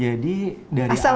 jadi dari awal